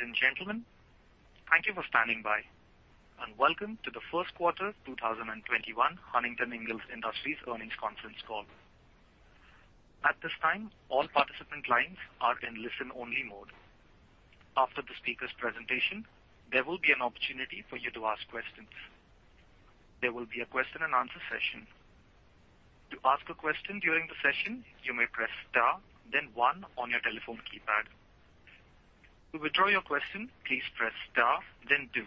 Ladies and gentlemen, thank you for standing by, welcome to the first quarter 2021 Huntington Ingalls Industries Earnings Conference Call. At this time, all participant lines are in listen-only mode. After the speaker's presentation, there will be an opportunity for you to ask questions. There will be a question-and-answer session. To ask a question during the session, you may press star then one on your telephone keypad. To withdraw your question, please press star then two.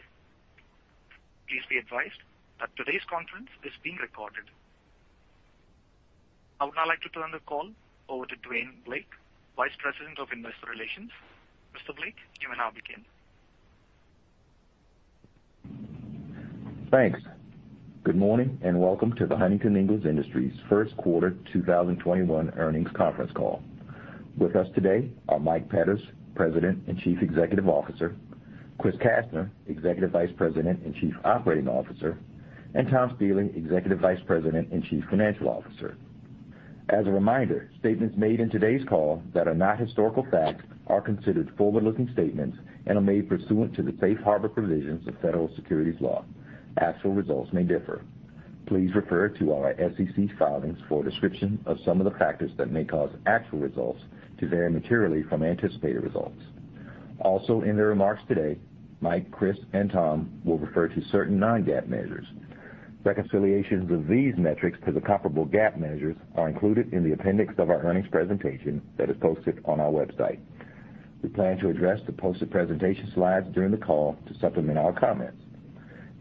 Please be advised that today's conference is being recorded. I would now like to turn the call over to Dwayne Blake, Vice President of Investor Relations. Mr. Blake, you may now begin. Thanks. Good morning, and welcome to the Huntington Ingalls Industries first quarter 2021 earnings conference call. With us today are Mike Petters, President and Chief Executive Officer, Chris Kastner, Executive Vice President and Chief Operating Officer, and Tom Stiehle, Executive Vice President and Chief Financial Officer. As a reminder, statements made in today's call that are not historical facts are considered forward-looking statements and are made pursuant to the safe harbor provisions of federal securities law. Actual results may differ. Please refer to our SEC filings for a description of some of the factors that may cause actual results to vary materially from anticipated results. Also in their remarks today, Mike, Chris, and Tom will refer to certain non-GAAP measures. Reconciliations of these metrics to the comparable GAAP measures are included in the appendix of our earnings presentation that is posted on our website. We plan to address the posted presentation slides during the call to supplement our comments.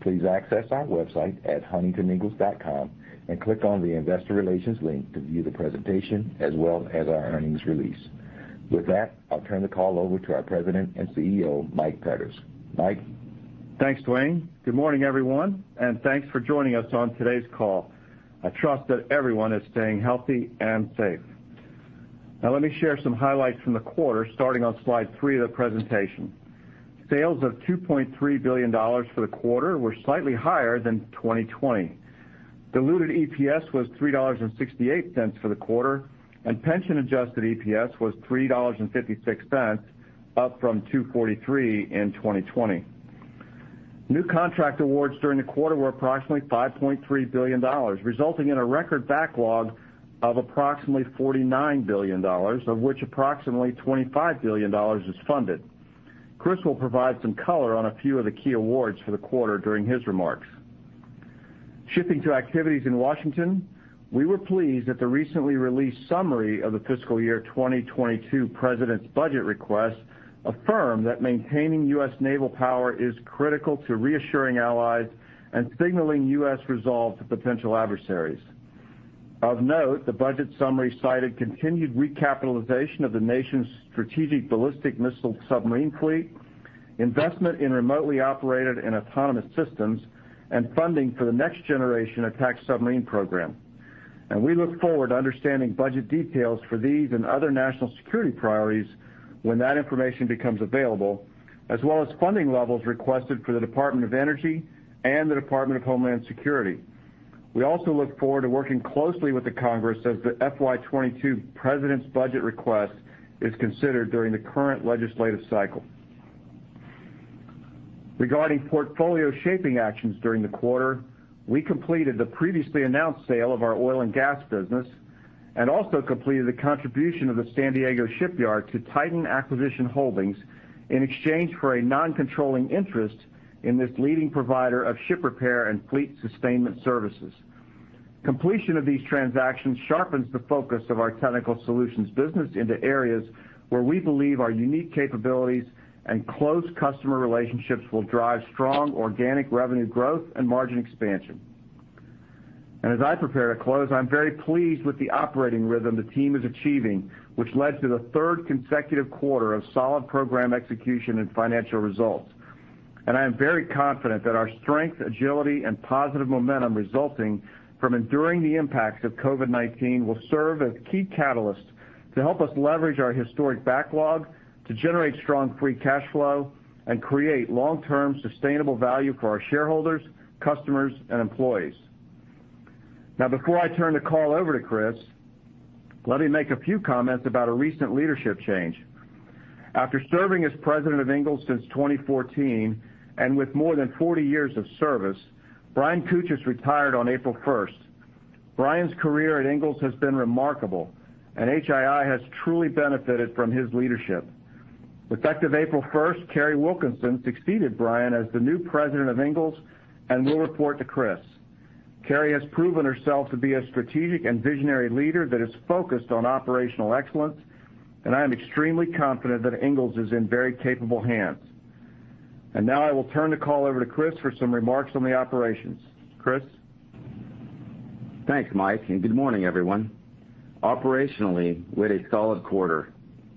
Please access our website at huntingtoningalls.com and click on the Investor Relations link to view the presentation as well as our earnings release. With that, I'll turn the call over to our President and CEO, Mike Petters. Mike? Thanks, Dwayne. Good morning, everyone, and thanks for joining us on today's call. I trust that everyone is staying healthy and safe. Now, let me share some highlights from the quarter, starting on slide three of the presentation. Sales of $2.3 billion for the quarter were slightly higher than 2020. Diluted EPS was $3.68 for the quarter, and pension-adjusted EPS was $3.56, up from $2.43 in 2020. New contract awards during the quarter were approximately $5.3 billion, resulting in a record backlog of approximately $49 billion, of which approximately $25 billion is funded. Chris will provide some color on a few of the key awards for the quarter during his remarks. Shifting to activities in Washington, we were pleased that the recently released summary of the fiscal year 2022 president's budget request affirmed that maintaining U.S. naval power is critical to reassuring allies and signaling U.S. resolve to potential adversaries. Of note, the budget summary cited continued recapitalization of the nation's strategic ballistic missile submarine fleet, investment in remotely operated and autonomous systems, and funding for the next generation attack submarine program. We look forward to understanding budget details for these and other national security priorities when that information becomes available, as well as funding levels requested for the Department of Energy and the Department of Homeland Security. We also look forward to working closely with the Congress as the FY 2022 president's budget request is considered during the current legislative cycle. Regarding portfolio shaping actions during the quarter, we completed the previously announced sale of our oil and gas business and also completed the contribution of the San Diego shipyard to Titan Acquisition Holdings in exchange for a non-controlling interest in this leading provider of ship repair and fleet sustainment services. Completion of these transactions sharpens the focus of our Technical Solutions business into areas where we believe our unique capabilities and close customer relationships will drive strong organic revenue growth and margin expansion. As I prepare to close, I am very pleased with the operating rhythm the team is achieving, which led to the third consecutive quarter of solid program execution and financial results. I am very confident that our strength, agility, and positive momentum resulting from enduring the impacts of COVID-19 will serve as key catalysts to help us leverage our historic backlog to generate strong free cash flow and create long-term sustainable value for our shareholders, customers, and employees. Now, before I turn the call over to Chris, let me make a few comments about a recent leadership change. After serving as president of Ingalls since 2014, and with more than 40 years of service, Brian Cuccias retired on April 1st. Brian's career at Ingalls has been remarkable, and HII has truly benefited from his leadership. Effective April 1st, Kari Wilkinson succeeded Brian as the new president of Ingalls and will report to Chris. Kari has proven herself to be a strategic and visionary leader that is focused on operational excellence, and I am extremely confident that Ingalls is in very capable hands. Now I will turn the call over to Chris for some remarks on the operations. Chris? Thanks, Mike, and good morning, everyone. Operationally, we had a solid quarter,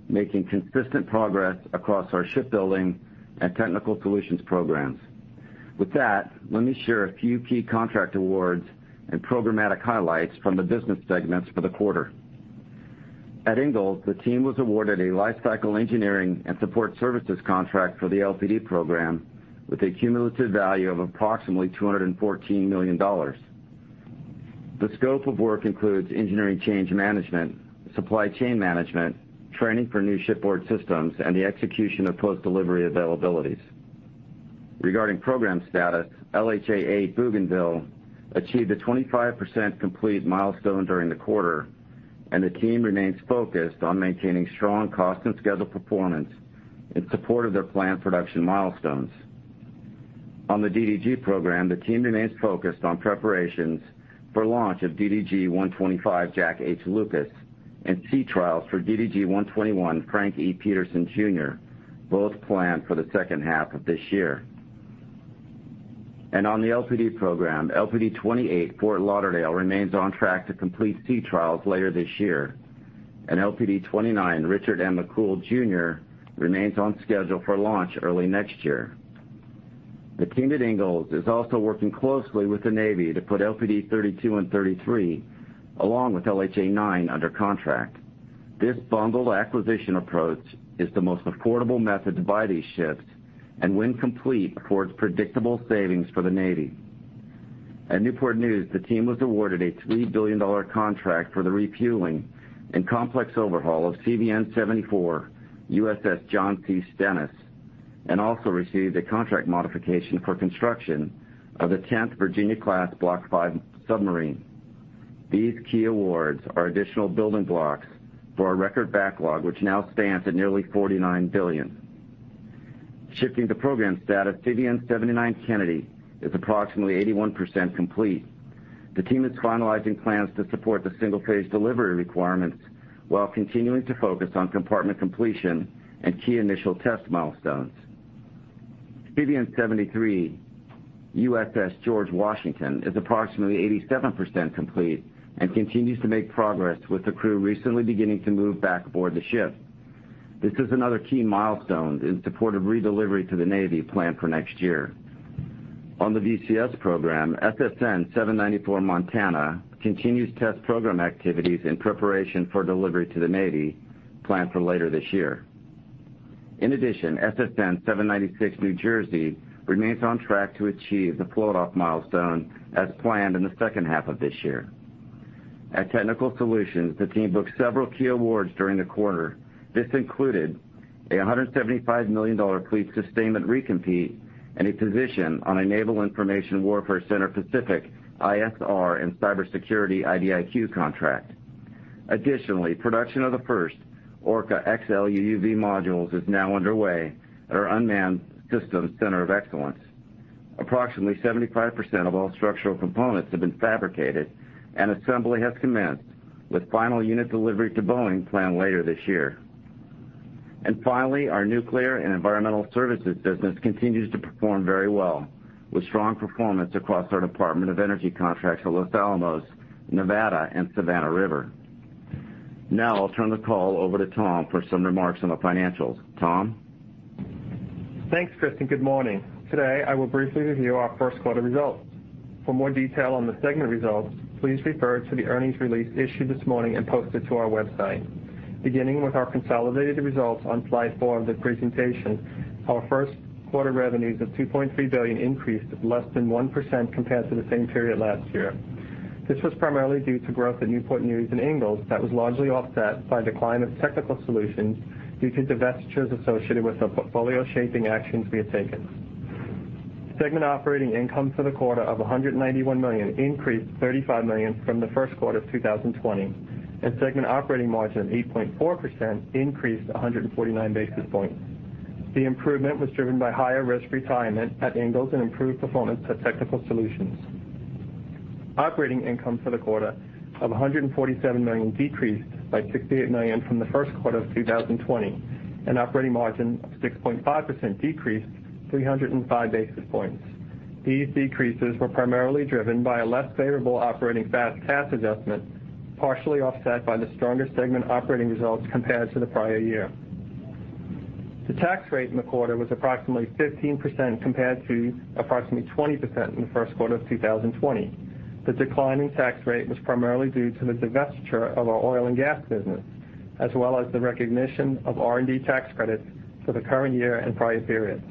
making consistent progress across our shipbuilding and Technical Solutions programs. With that, let me share a few key contract awards and programmatic highlights from the business segments for the quarter. At Ingalls, the team was awarded a lifecycle engineering and support services contract for the LPD program with a cumulative value of approximately $214 million. The scope of work includes engineering change management, supply chain management, training for new shipboard systems, and the execution of post-delivery availabilities. Regarding program status, LHA-8 Bougainville achieved a 25% complete milestone during the quarter. The team remains focused on maintaining strong cost and schedule performance in support of their planned production milestones. On the DDG program, the team remains focused on preparations for launch of DDG 125 Jack H. Lucas and sea trials for DDG 121 Frank E. Petersen Jr., both planned for the second half of this year. On the LPD program, LPD 28 Fort Lauderdale remains on track to complete sea trials later this year. LPD 29 Richard M. McCool Jr. remains on schedule for launch early next year. The team at Ingalls is also working closely with the Navy to put LPD 32 and 33, along with LHA-9, under contract. This bundled acquisition approach is the most affordable method to buy these ships and, when complete, affords predictable savings for the Navy. At Newport News, the team was awarded a $3 billion contract for the refueling and complex overhaul of CVN-74 USS John C. Stennis, and also received a contract modification for construction of the 10th Virginia-class Block V submarine. These key awards are additional building blocks for our record backlog, which now stands at nearly $49 billion. Shifting to program status, CVN 79 Kennedy is approximately 81% complete. The team is finalizing plans to support the single-phase delivery requirements while continuing to focus on compartment completion and key initial test milestones. CVN 73 USS George Washington is approximately 87% complete and continues to make progress, with the crew recently beginning to move back aboard the ship. This is another key milestone in support of redelivery to the Navy planned for next year. On the VCS program, SSN 794 Montana continues test program activities in preparation for delivery to the Navy planned for later this year. In addition, SSN 796 New Jersey remains on track to achieve the float-off milestone as planned in the second half of this year. At Technical Solutions, the team booked several key awards during the quarter. This included a $175 million fleet sustainment recompete and a position on a Naval Information Warfare Center Pacific ISR and cybersecurity IDIQ contract. Additionally, production of the first Orca XLUUV modules is now underway at our Unmanned Systems Center of Excellence. Approximately 75% of all structural components have been fabricated and assembly has commenced, with final unit delivery to Boeing planned later this year. Finally, our nuclear and environmental services business continues to perform very well, with strong performance across our Department of Energy contracts at Los Alamos, Nevada, and Savannah River. Now I'll turn the call over to Tom for some remarks on the financials. Tom? Thanks, Chris. Good morning. Today, I will briefly review our first quarter results. For more detail on the segment results, please refer to the earnings release issued this morning and posted to our website. Beginning with our consolidated results on slide four of the presentation, our first quarter revenues of $2.3 billion increased less than 1% compared to the same period last year. This was primarily due to growth at Newport News and Ingalls that was largely offset by a decline of Technical Solutions due to divestitures associated with the portfolio shaping actions we had taken. Segment operating income for the quarter of $191 million increased $35 million from the first quarter of 2020, and segment operating margin of 8.4% increased 149 basis points. The improvement was driven by higher risk retirement at Ingalls and improved performance at Technical Solutions. Operating income for the quarter of $147 million decreased by $68 million from the first quarter of 2020, and operating margin of 6.5% decreased 305 basis points. These decreases were primarily driven by a less favorable operating FAS/CAS adjustment, partially offset by the stronger segment operating results compared to the prior year. The tax rate in the quarter was approximately 15% compared to approximately 20% in the first quarter of 2020. The decline in tax rate was primarily due to the divestiture of our oil and gas business, as well as the recognition of R&D tax credits for the current year and prior periods.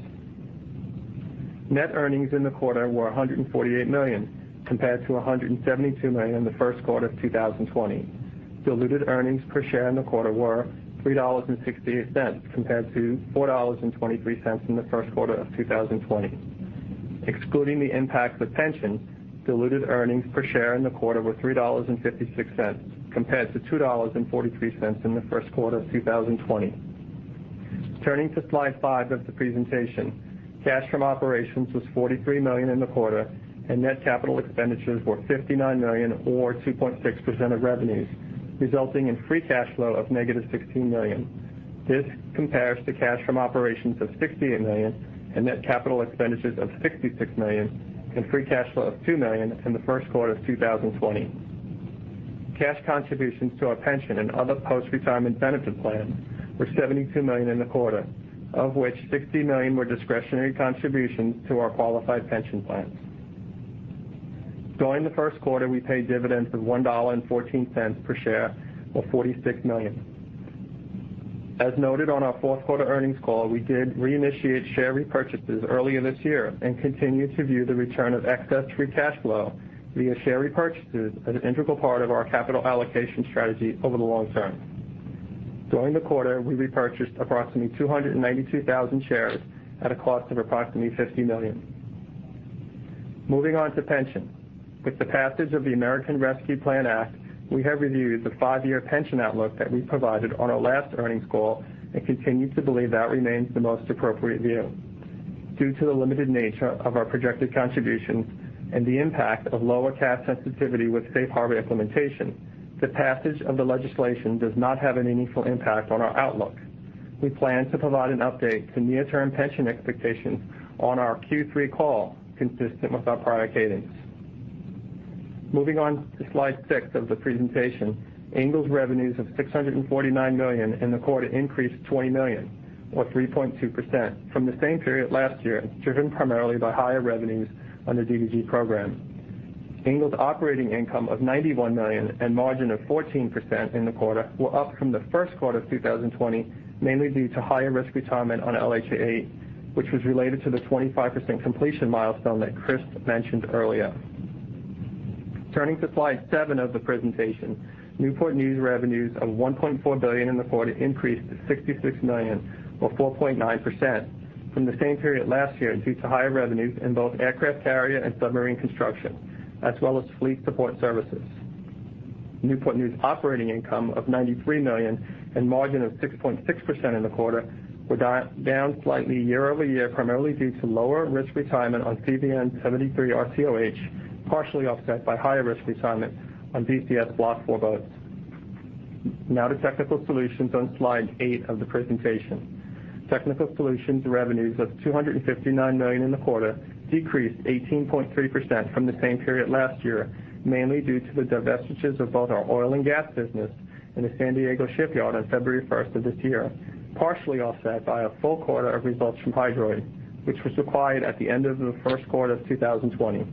Net earnings in the quarter were $148 million, compared to $172 million in the first quarter of 2020. Diluted earnings per share in the quarter were $3.68, compared to $4.23 in the first quarter of 2020. Excluding the impact of the pension, diluted earnings per share in the quarter were $3.56 compared to $2.43 in the first quarter of 2020. Turning to slide five of the presentation. Cash from operations was $43 million in the quarter, and net capital expenditures were $59 million, or 2.6% of revenues, resulting in free cash flow of negative $16 million. This compares to cash from operations of $68 million and net capital expenditures of $66 million and free cash flow of $2 million in the first quarter of 2020. Cash contributions to our pension and other post-retirement benefit plans were $72 million in the quarter, of which $60 million were discretionary contributions to our qualified pension plans. During the first quarter, we paid dividends of $1.14 per share, or $46 million. As noted on our fourth quarter earnings call, we did reinitiate share repurchases earlier this year and continue to view the return of excess free cash flow via share repurchases as an integral part of our capital allocation strategy over the long term. During the quarter, we repurchased approximately 292,000 shares at a cost of approximately $50 million. Moving on to pension. With the passage of the American Rescue Plan Act, we have reviewed the five-year pension outlook that we provided on our last earnings call and continue to believe that remains the most appropriate view. Due to the limited nature of our projected contributions and the impact of lower cash sensitivity with Safe Harbor implementation, the passage of the legislation does not have any meaningful impact on our outlook. We plan to provide an update to near-term pension expectations on our Q3 call, consistent with our prior guidance. Moving on to slide six of the presentation. Ingalls revenues of $649 million in the quarter increased $20 million or 3.2% from the same period last year, driven primarily by higher revenues on the DDG program. Ingalls operating income of $91 million and margin of 14% in the quarter were up from the first quarter of 2020, mainly due to higher risk retirement on LHA-8, which was related to the 25% completion milestone that Chris mentioned earlier. Turning to slide seven of the presentation. Newport News revenues of $1.4 billion in the quarter increased by $66 million or 4.9% from the same period last year, due to higher revenues in both aircraft carrier and submarine construction, as well as fleet support services. Newport News operating income of $93 million and margin of 6.6% in the quarter were down slightly year-over-year, primarily due to lower risk retirement on CVN 73 RCOH, partially offset by higher risk retirement on VCS Block IV boats. To Technical Solutions on slide eight of the presentation. Technical Solutions revenues of $259 million in the quarter decreased 18.3% from the same period last year, mainly due to the divestitures of both our oil and gas business and the San Diego shipyard on February 1st of this year, partially offset by a full quarter of results from Hydroid, which was acquired at the end of the first quarter of 2020.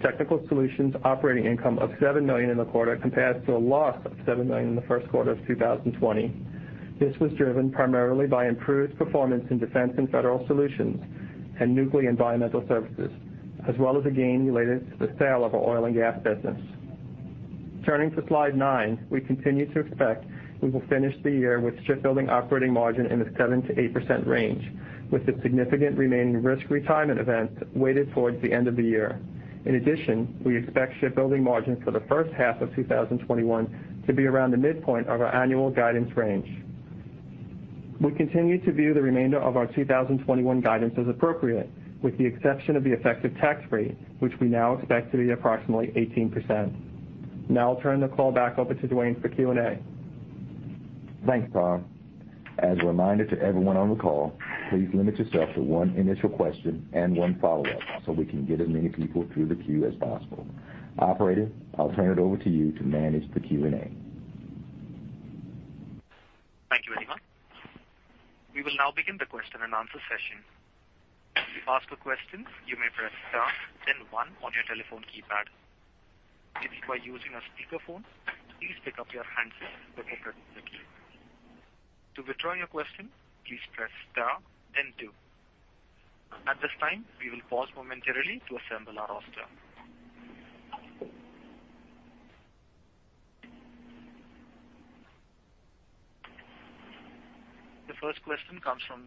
Technical Solutions operating income of $7 million in the quarter compared to a loss of $7 million in the first quarter of 2020. This was driven primarily by improved performance in defense and federal solutions and nuclear environmental services, as well as a gain related to the sale of our oil and gas business. Turning to slide nine, we continue to expect we will finish the year with shipbuilding operating margin in the 7%-8% range, with the significant remaining risk retirement events weighted towards the end of the year. In addition, we expect shipbuilding margin for the first half of 2021 to be around the midpoint of our annual guidance range. We continue to view the remainder of our 2021 guidance as appropriate, with the exception of the effective tax rate, which we now expect to be approximately 18%. I'll turn the call back over to Dwayne for Q&A. Thanks, Tom. As a reminder to everyone on the call, please limit yourself to one initial question and one follow-up so we can get as many people through the queue as possible. Operator, I'll turn it over to you to manage the Q&A. Thank you, everyone. We will now begin the question and answer session. To ask a question, you may press star then one on your telephone keypad. If you are using a speakerphone, please pick up your handset before pressing the key. To withdraw your question, please press star then two. At this time, we will pause momentarily to assemble our roster. The first question comes from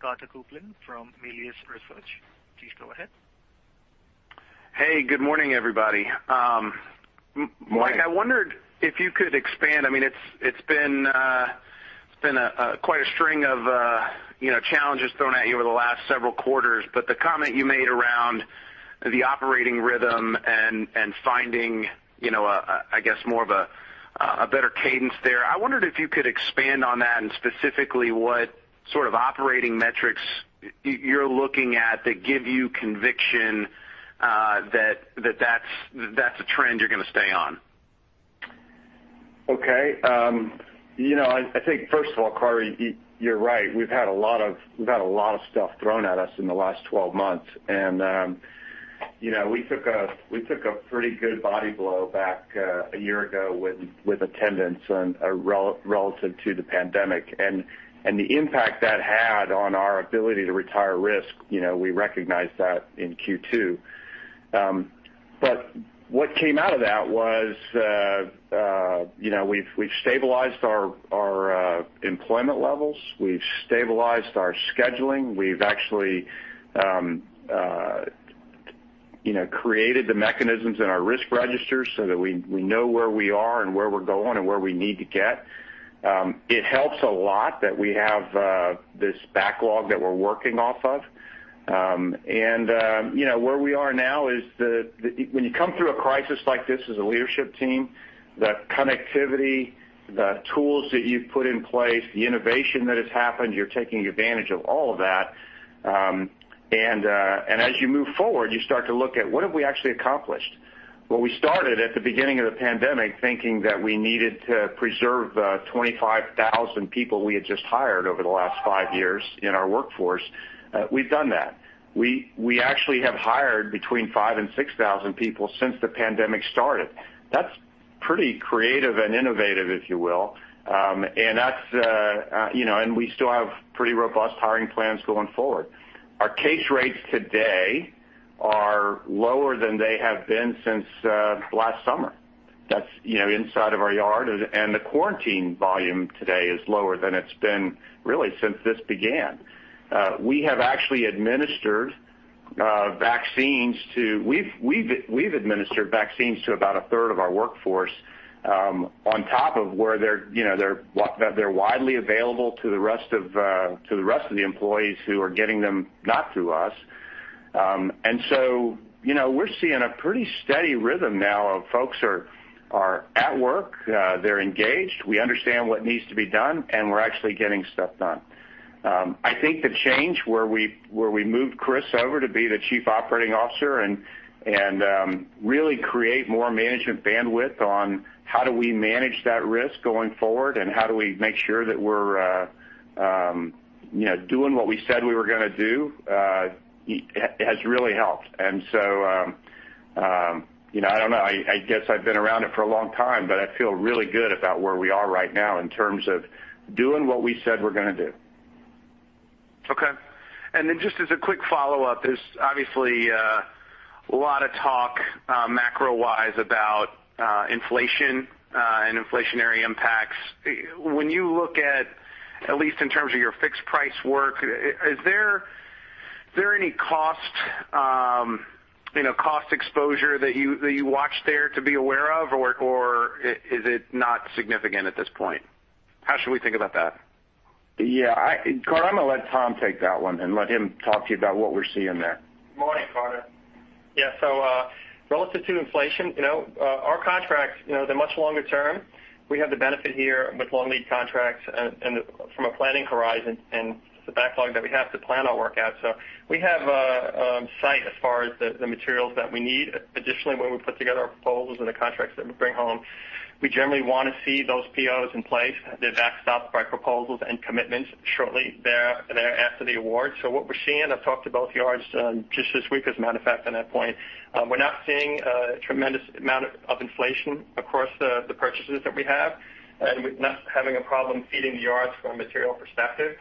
Carter Copeland from Melius Research. Please go ahead. Hey, good morning, everybody. Morning. Mike, I wondered if you could expand. It's been quite a string of challenges thrown at you over the last several quarters. The comment you made around the operating rhythm and finding more of a better cadence there, I wondered if you could expand on that and specifically what sort of operating metrics you're looking at that give you conviction that that's a trend you're going to stay on? I think, first of all, Carter, you're right. We've had a lot of stuff thrown at us in the last 12 months, we took a pretty good body blow back a year ago with attendance and relative to the pandemic and the impact that had on our ability to retire risk. We recognized that in Q2. What came out of that was we've stabilized our employment levels. We've stabilized our scheduling. We've actually created the mechanisms in our risk registers so that we know where we are and where we're going and where we need to get. It helps a lot that we have this backlog that we're working off of. Where we are now is when you come through a crisis like this as a leadership team, the connectivity, the tools that you've put in place, the innovation that has happened, you're taking advantage of all of that. As you move forward, you start to look at what have we actually accomplished? Well, we started at the beginning of the pandemic thinking that we needed to preserve the 25,000 people we had just hired over the last five years in our workforce. We've done that. We actually have hired between 5,000 and 6,000 people since the pandemic started. That's pretty creative and innovative, if you will. We still have pretty robust hiring plans going forward. Our case rates today are lower than they have been since last summer. That's inside of our yard, and the quarantine volume today is lower than it's been really since this began. We have actually administered vaccines to about a third of our workforce, on top of where they're widely available to the rest of the employees who are getting them, not through us. We're seeing a pretty steady rhythm now of folks are at work, they're engaged, we understand what needs to be done, and we're actually getting stuff done. I think the change where we moved Chris over to be the Chief Operating Officer and really create more management bandwidth on how do we manage that risk going forward and how do we make sure that we're doing what we said we were going to do has really helped. I don't know. I guess I've been around it for a long time, but I feel really good about where we are right now in terms of doing what we said we're going to do. Okay. Then just as a quick follow-up, there's obviously a lot of talk macro-wise about inflation and inflationary impacts. When you look at least in terms of your fixed price work, is there any cost exposure that you watch there to be aware of, or is it not significant at this point? How should we think about that? Yeah. Carter, I'm going to let Tom take that one and let him talk to you about what we're seeing there. Morning, Carter. Yeah. Relative to inflation, our contracts, they're much longer term. We have the benefit here with long lead contracts and from a planning horizon and the backlog that we have to plan our work out. We have a sight as far as the materials that we need. Additionally, when we put together our proposals and the contracts that we bring home, we generally want to see those POs in place. They're backstopped by proposals and commitments shortly thereafter the award. What we're seeing, I've talked to both yards just this week, as a matter of fact, on that point. We're not seeing a tremendous amount of inflation across the purchases that we have, and we're not having a problem feeding the yards from a material perspective.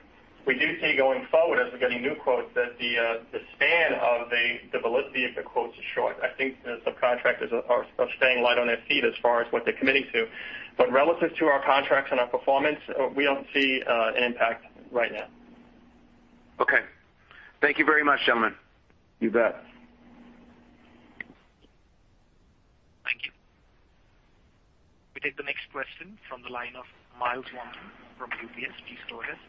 We do see going forward, as we're getting new quotes, that the span of the validity of the quotes is short. I think the subcontractors are staying light on their feet as far as what they're committing to. Relative to our contracts and our performance, we don't see an impact right now. Okay. Thank you very much, gentlemen. You bet. Thank you. We take the next question from the line of Myles Walton from UBS. Please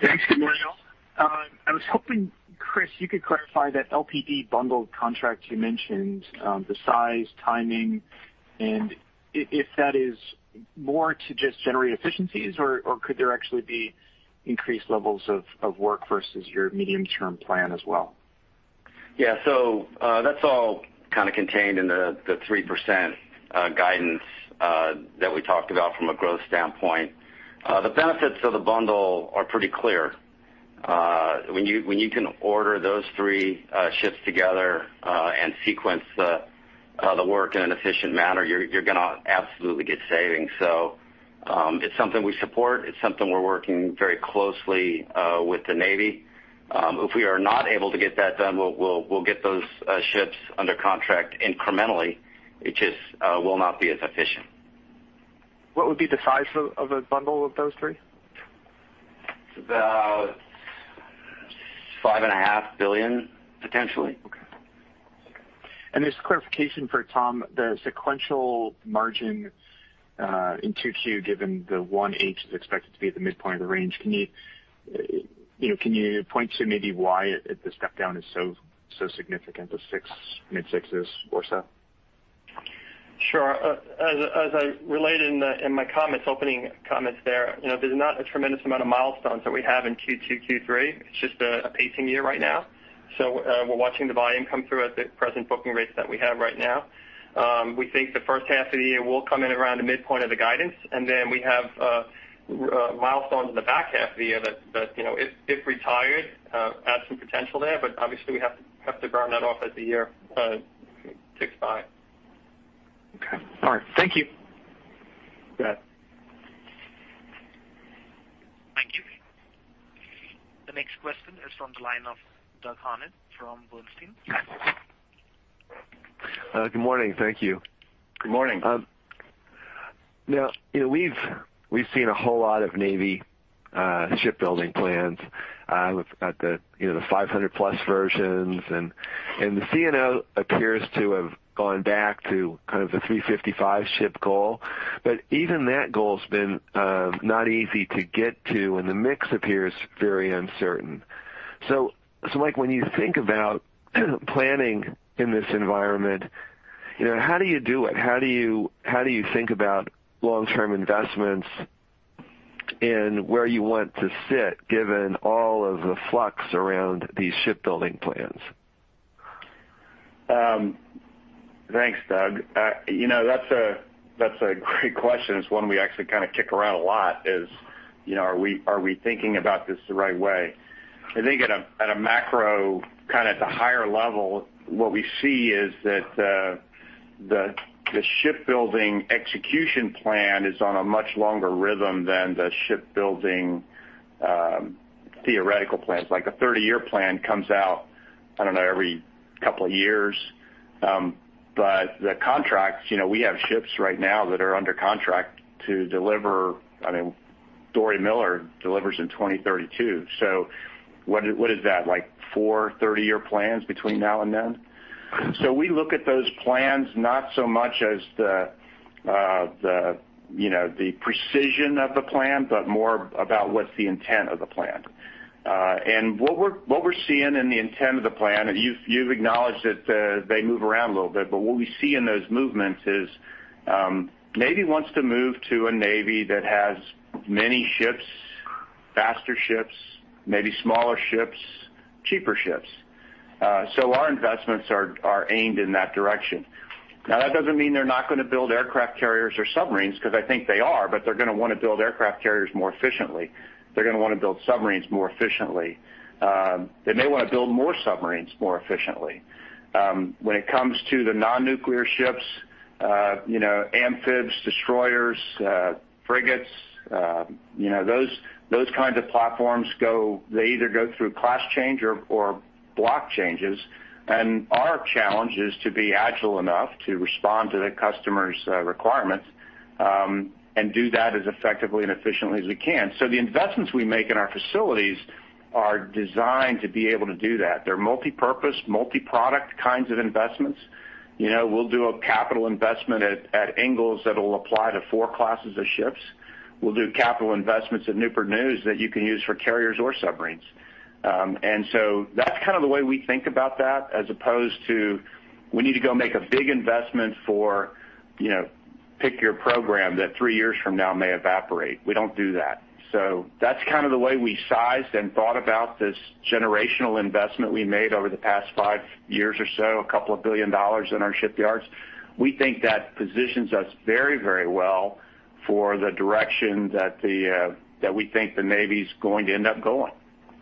go ahead. This is Myles. I was hoping, Chris, you could clarify that LPD bundled contract you mentioned, the size, timing, and if that is more to just generate efficiencies or could there actually be increased levels of work versus your medium-term plan as well? That's all kind of contained in the 3% guidance that we talked about from a growth standpoint. The benefits of the bundle are pretty clear. When you can order those three ships together and sequence the work in an efficient manner, you're going to absolutely get savings. It's something we support. It's something we're working very closely with the Navy. If we are not able to get that done, we'll get those ships under contract incrementally. It just will not be as efficient. What would be the size of a bundle of those three? About $5.5 billion, potentially. Okay. Just clarification for Tom, the sequential margin in 2Q, given the 1H is expected to be at the midpoint of the range. Can you point to maybe why the step down is so significant, the mid-6s or so? Sure. As I relayed in my opening comments there's not a tremendous amount of milestones that we have in Q2, Q3. It's just a pacing year right now. We're watching the volume come through at the present booking rates that we have right now. We think the first half of the year will come in around the midpoint of the guidance, and then we have milestones in the back half of the year that, if retired, have some potential there, but obviously we have to burn that off as the year ticks by. Okay. All right. Thank you. You bet. Thank you. The next question is from the line of Doug Harned from Bernstein. Good morning. Thank you. Good morning. We've seen a whole lot of Navy shipbuilding plans. Look at the 500+ versions, and the CNO appears to have gone back to kind of the 355 ship goal. Even that goal has been not easy to get to, and the mix appears very uncertain. Mike, when you think about planning in this environment, how do you do it? How do you think about long-term investments and where you want to sit, given all of the flux around these shipbuilding plans? Thanks, Doug. That's a great question. It's one we actually kind of kick around a lot is, are we thinking about this the right way? I think at a macro, at the higher level, what we see is that the shipbuilding execution plan is on a much longer rhythm than the shipbuilding theoretical plans. Like a 30-year plan comes out, I don't know, every couple of years. The contracts, we have ships right now that are under contract to deliver, Doris Miller delivers in 2032. What is that? Like four 30-year plans between now and then? We look at those plans, not so much as the precision of the plan, but more about what's the intent of the plan. What we're seeing in the intent of the plan, and you've acknowledged that they move around a little bit, but what we see in those movements is Navy wants to move to a Navy that has many ships, faster ships, maybe smaller ships, cheaper ships. Our investments are aimed in that direction. That doesn't mean they're not going to build aircraft carriers or submarines, because I think they are, but they're going to want to build aircraft carriers more efficiently. They're going to want to build submarines more efficiently. They may want to build more submarines more efficiently. When it comes to the non-nuclear ships, amphibs, destroyers, frigates, those kinds of platforms, they either go through class change or block changes. Our challenge is to be agile enough to respond to the customer's requirements, and do that as effectively and efficiently as we can. The investments we make in our facilities are designed to be able to do that. They're multipurpose, multiproduct kinds of investments. We'll do a capital investment at Ingalls that'll apply to 4 classes of ships. We'll do capital investments at Newport News that you can use for carriers or submarines. That's kind of the way we think about that, as opposed to, we need to go make a big investment for, pick your program, that three years from now may evaporate. We don't do that. That's kind of the way we sized and thought about this generational investment we made over the past five years or so, $2 billion in our shipyards. We think that positions us very well for the direction that we think the Navy's going to end up going.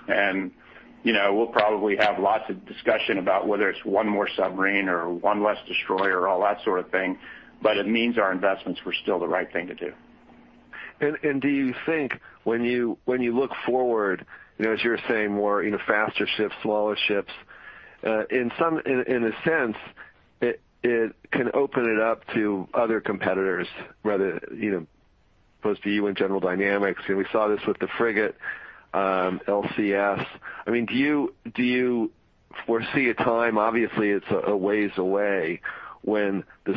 We'll probably have lots of discussion about whether it's one more submarine or one less destroyer, all that sort of thing, but it means our investments were still the right thing to do. Do you think when you look forward, as you were saying, more faster ships, smaller ships, in a sense, it can open it up to other competitors, rather, opposed to you and General Dynamics. We saw this with the frigate, LCS. Do you foresee a time, obviously, it's a ways away, when the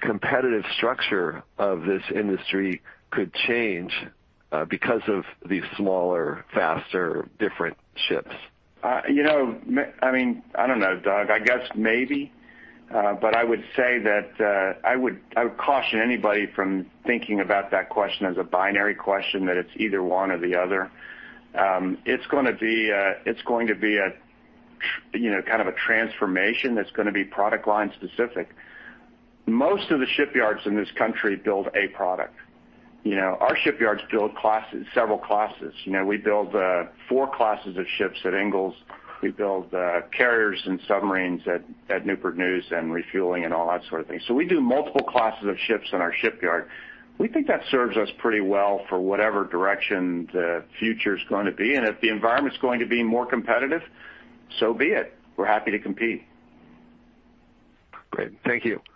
competitive structure of this industry could change because of these smaller, faster, different ships? I don't know, Doug. I guess maybe. I would say that I would caution anybody from thinking about that question as a binary question, that it's either one or the other. It's going to be a kind of a transformation that's going to be product line specific. Most of the shipyards in this country build a product. Our shipyards build several classes. We build four classes of ships at Ingalls. We build carriers and submarines at Newport News and refueling and all that sort of thing. We do multiple classes of ships in our shipyard. We think that serves us pretty well for whatever direction the future's going to be. If the environment's going to be more competitive, so be it. We're happy to compete. Great. Thank you. Thank you.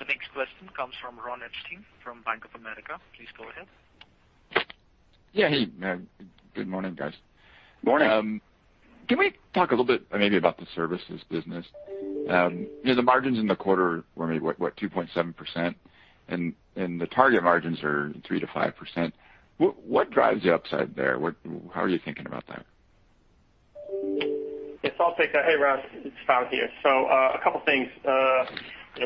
The next question comes from Ron Epstein from Bank of America. Please go ahead. Yeah, hey. Good morning, guys. Morning. Can we talk a little bit maybe about the services business? The margins in the quarter were maybe what, 2.7%, and the target margins are 3%-5%. What drives the upside there? How are you thinking about that? Yes, I'll take that. Hey, Ron, it's Tom here. A couple things.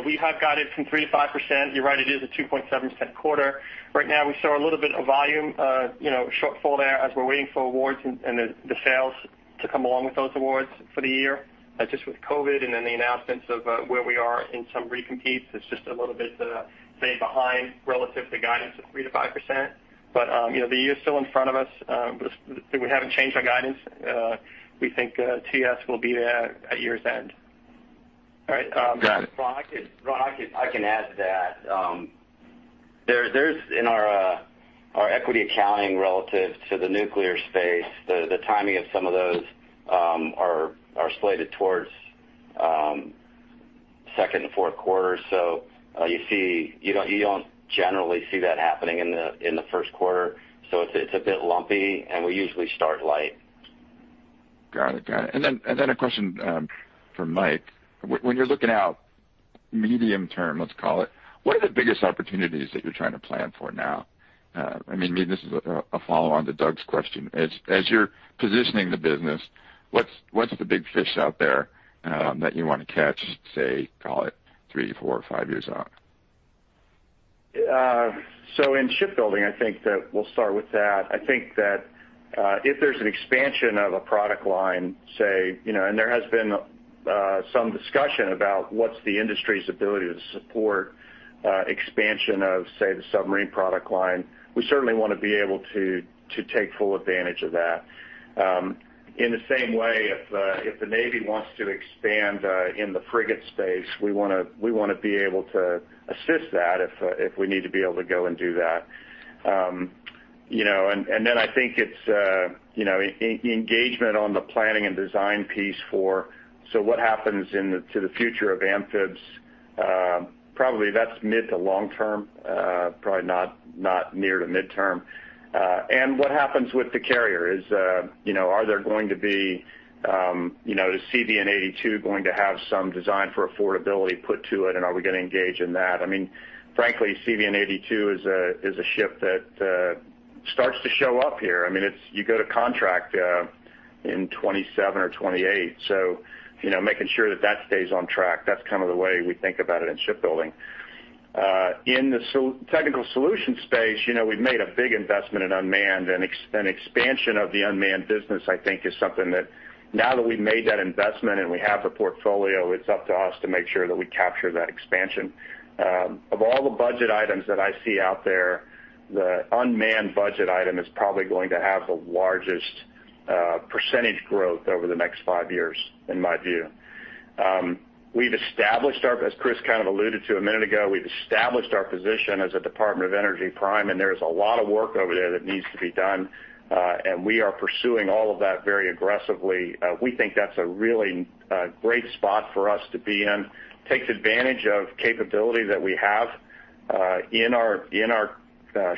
We have guided from 3%-5%. You're right, it is a 2.7% quarter. Right now, we saw a little bit of volume shortfall there as we're waiting for awards and the sales to come along with those awards for the year. Just with COVID and then the announcements of where we are in some recompetes, it's just a little bit, say, behind relative to guidance of 3%-5%. The year's still in front of us. We haven't changed our guidance. We think TS will be there at year's end. All right. Got it. Ron, I can add to that. There's in our equity accounting relative to the nuclear space, the timing of some of those are slated towards second and fourth quarter. You don't generally see that happening in the first quarter. It's a bit lumpy, and we usually start light. Got it. A question for Mike. When you're looking out medium term, let's call it, what are the biggest opportunities that you're trying to plan for now? This is a follow-on to Doug's question. As you're positioning the business, what's the big fish out there that you want to catch, say, call it three, four, five years out? In shipbuilding, I think that we'll start with that. I think that if there's an expansion of a product line, say, and there has been some discussion about what's the industry's ability to support expansion of, say, the submarine product line. We certainly want to be able to take full advantage of that. In the same way, if the Navy wants to expand in the frigate space, we want to be able to assist that if we need to be able to go and do that. I think it's engagement on the planning and design piece for what happens to the future of amphibs, probably that's mid to long term, probably not near to midterm. What happens with the carrier? Is CVN 82 going to have some design for affordability put to it, and are we going to engage in that? CVN 82 is a ship that starts to show up here. You go to contract in 2027 or 2028, making sure that stays on track, that's kind of the way we think about it in shipbuilding. In the Technical Solutions space, we've made a big investment in unmanned, expansion of the unmanned business, I think, is something that now that we've made that investment and we have the portfolio, it's up to us to make sure that we capture that expansion. Of all the budget items that I see out there, the unmanned budget item is probably going to have the largest % growth over the next five years, in my view. As Chris kind of alluded to a minute ago, we've established our position as a Department of Energy prime, there is a lot of work over there that needs to be done. We are pursuing all of that very aggressively. We think that's a really great spot for us to be in. Takes advantage of capability that we have in our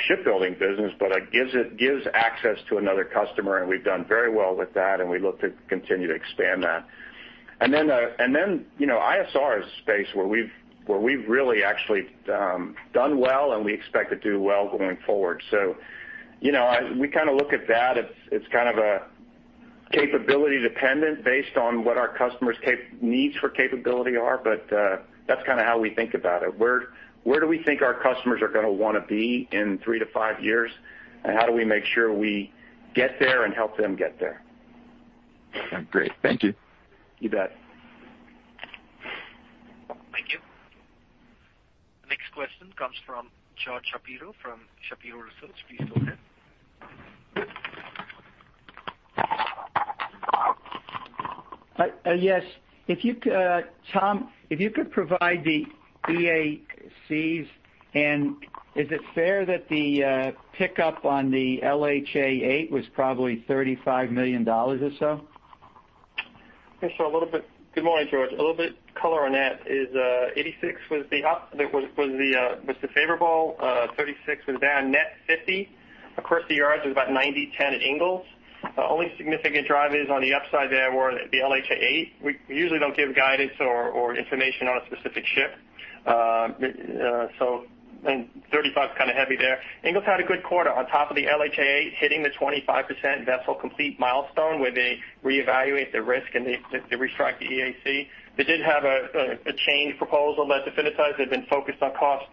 shipbuilding business, but gives access to another customer, and we've done very well with that, and we look to continue to expand that. ISR is a space where we've really actually done well, and we expect to do well going forward. We kind of look at that, it's kind of a capability dependent based on what our customers' needs for capability are, but that's kind of how we think about it. Where do we think our customers are going to want to be in three to five years, and how do we make sure we get there and help them get there? Great. Thank you. You bet. Thank you. Next question comes from George Shapiro from Shapiro Research. Please go ahead. Yes. Tom, if you could provide the EACs, and is it fair that the pickup on the LHA-8 was probably $35 million or so? Good morning, George. A little bit color on that is, $86 was the favorable, $36 was down net $50. Across the yards, it was about 90/10 at Ingalls. The only significant drivers on the upside there were the LHA-8. We usually don't give guidance or information on a specific ship. $35's kind of heavy there. Ingalls had a good quarter on top of the LHA-8 hitting the 25% vessel complete milestone where they reevaluate the risk and they restrike the EAC. They did have a change proposal that definitized. They've been focused on cost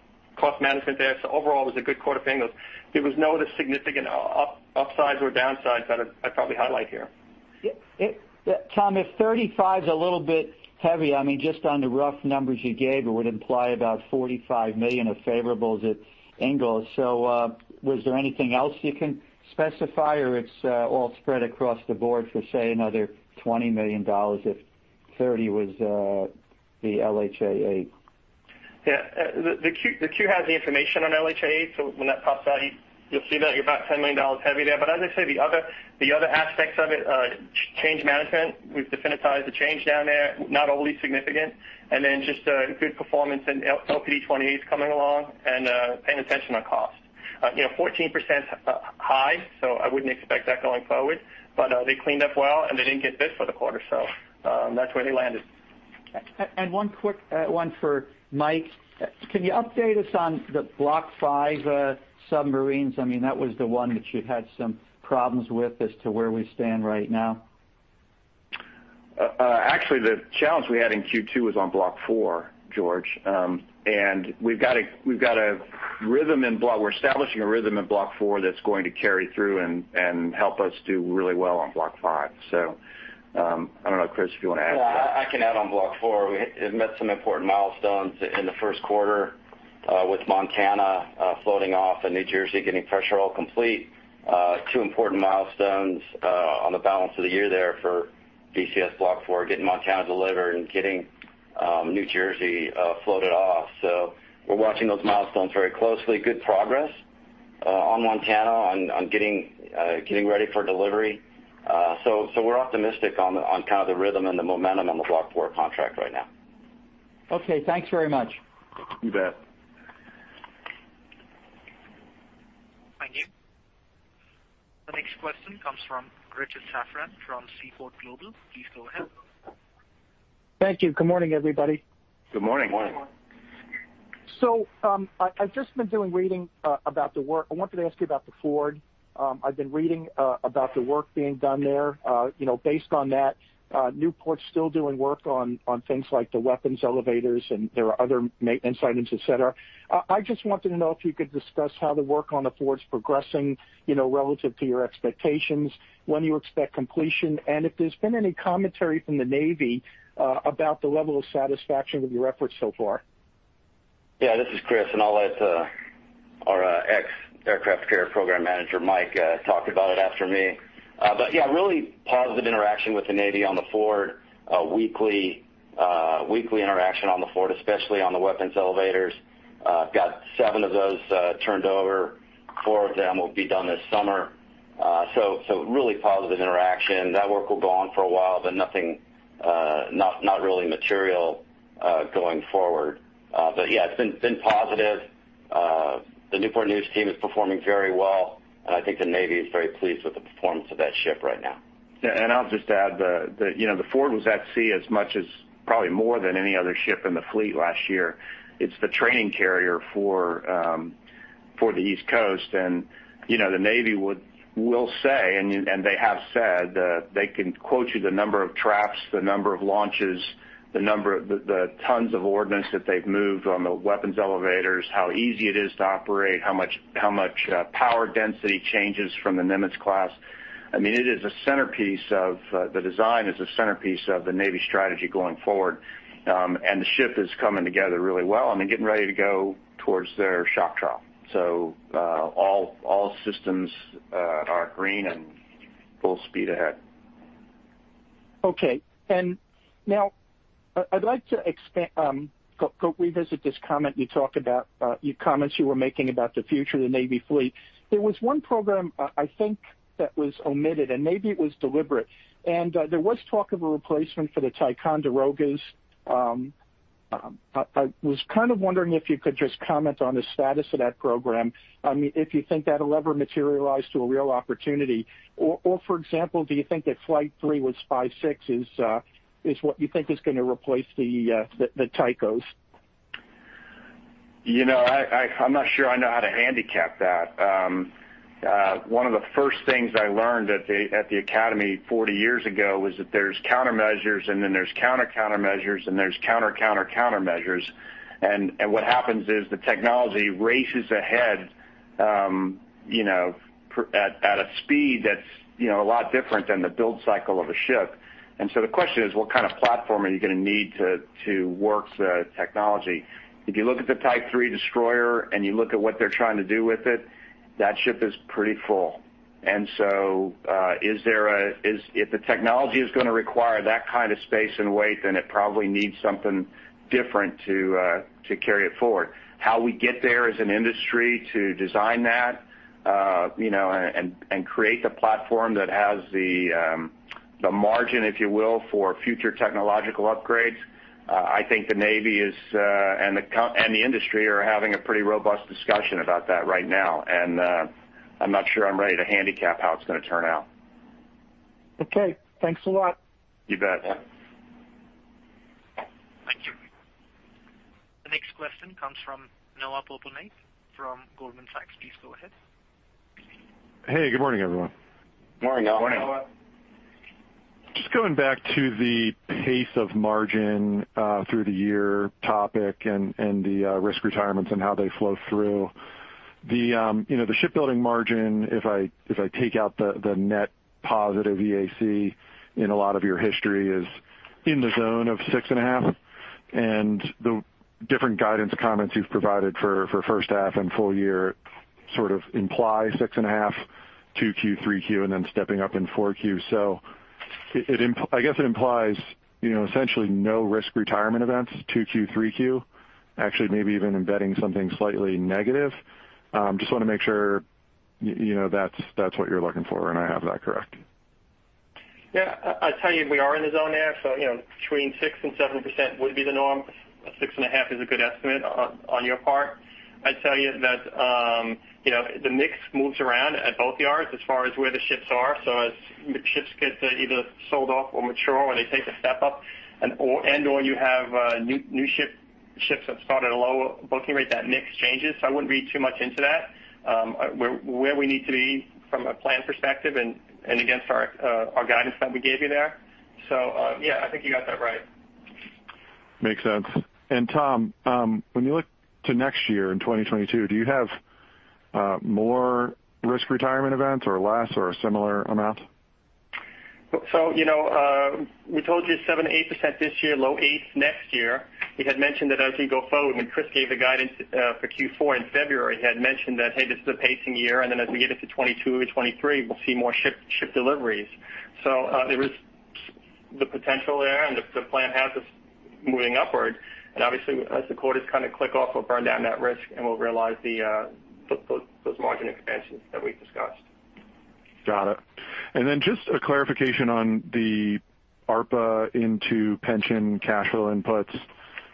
management there. Overall, it was a good quarter for Ingalls. There was no other significant upsides or downsides that I'd probably highlight here. Tom, if $35's a little bit heavy, just on the rough numbers you gave, it would imply about $45 million of favorables at Ingalls. Was there anything else you can specify, or it's all spread across the board for, say, another $20 million if $30 was the LHA-8? The Q has the information on LHA-8. When that pops out, you'll see that you're about $10 million heavy there. As I say, the other aspects of it, change management, we've definitized the change down there, not overly significant. Just good performance in LPD 28 is coming along, and paying attention on cost. 14% high. I wouldn't expect that going forward. They cleaned up well, and they didn't get bit for the quarter. That's where they landed. One quick one for Mike. Can you update us on the Block V submarines? That was the one that you had some problems with as to where we stand right now. Actually, the challenge we had in Q2 was on Block IV, George. We're establishing a rhythm in Block IV that's going to carry through and help us do really well on Block V. I don't know, Chris, if you want to add to that. Yeah, I can add on Block IV. We met some important milestones in the first quarter, with Montana floating off and New Jersey getting pressure hull complete. Two important milestones on the balance of the year there for VCS Block IV, getting Montana delivered and getting New Jersey floated off. We're watching those milestones very closely. Good progress on Montana on getting ready for delivery. We're optimistic on kind of the rhythm and the momentum on the Block IV contract right now. Okay, thanks very much. You bet. Thank you. The next question comes from Richard Safran from Seaport Global. Please go ahead. Thank you. Good morning, everybody. Good morning. Good morning. I've just been doing reading about the work. I wanted to ask you about the Ford. I've been reading about the work being done there. Based on that, Newport's still doing work on things like the weapons elevators, and there are other maintenance items, et cetera. I just wanted to know if you could discuss how the work on the Ford's progressing relative to your expectations, when you expect completion, and if there's been any commentary from the Navy about the level of satisfaction with your efforts so far. Yeah, this is Chris, and I'll let our ex-aircraft carrier program manager, Mike, talk about it after me. Yeah, really positive interaction with the Navy on the Ford. Weekly interaction on the Ford, especially on the weapons elevators. Got seven of those turned over. Four of them will be done this summer. Really positive interaction. That work will go on for a while, but not really material going forward. Yeah, it's been positive. The Newport News team is performing very well, and I think the Navy is very pleased with the performance of that ship right now. Yeah. I'll just add, the Ford was at sea as much as probably more than any other ship in the fleet last year. It's the training carrier for the East Coast, and the Navy will say, and they have said, they can quote you the number of traps, the number of launches, the tons of ordnance that they've moved on the weapons elevators, how easy it is to operate, how much power density changes from the Nimitz-class. The design is a centerpiece of the Navy strategy going forward. The ship is coming together really well. Getting ready to go towards their shock trial. All systems are green and full speed ahead. Okay. Now I'd like to go revisit this comment you were making about the future of the Navy fleet. There was one program, I think, that was omitted, and maybe it was deliberate. There was talk of a replacement for the Ticonderogas. I was kind of wondering if you could just comment on the status of that program. If you think that'll ever materialize to a real opportunity or, for example, do you think that Flight III with SPY-6 is what you think is going to replace the Ticos? I'm not sure I know how to handicap that. One of the first things I learned at the academy 40 years ago was that there's countermeasures, and then there's counter-countermeasures, and there's counter-counter-countermeasures. What happens is the technology races ahead at a speed that's a lot different than the build cycle of a ship. The question is, what kind of platform are you going to need to work the technology? If you look at the Type 3 destroyer, and you look at what they're trying to do with it, that ship is pretty full. If the technology is going to require that kind of space and weight, then it probably needs something different to carry it forward. How we get there as an industry to design that, and create the platform that has the margin, if you will, for future technological upgrades, I think the Navy and the industry are having a pretty robust discussion about that right now, and I'm not sure I'm ready to handicap how it's going to turn out. Okay. Thanks a lot. You bet. Thank you. The next question comes from Noah Poponak from Goldman Sachs. Please go ahead. Hey, good morning, everyone. Morning, Noah. Morning. Just going back to the pace of margin through the year topic and the risk retirements and how they flow through. The shipbuilding margin, if I take out the net positive EAC in a lot of your history, is in the zone of 6.5%, and the different guidance comments you've provided for first half and full year sort of imply 6.5%, 2Q, 3Q, and then stepping up in 4Q. I guess it implies essentially no risk retirement events, 2Q, 3Q, actually maybe even embedding something slightly negative. Just want to make sure that's what you're looking for and I have that correct. I'll tell you, we are in the zone there. Between 6% and 7% would be the norm. Six and a half is a good estimate on your part. I'd tell you that the mix moves around at both yards as far as where the ships are. As ships get either sold off or mature or they take a step up and/or you have new ships that start at a lower booking rate, that mix changes. I wouldn't read too much into that. We're where we need to be from a plan perspective and against our guidance that we gave you there. I think you got that right. Makes sense. Tom, when you look to next year in 2022, do you have more risk retirement events or less or a similar amount? We told you 7%-8% this year, low eights next year. We had mentioned that as we go forward, when Chris gave the guidance for Q4 in February, he had mentioned that, "Hey, this is a pacing year, and then as we get into 2022 or 2023, we'll see more ship deliveries." There is the potential there, and the plan has us moving upward. Obviously, as the quarters kind of click off, we'll burn down that risk and we'll realize those margin expansions that we've discussed. Got it. Then just a clarification on the ARPA into pension cash flow inputs.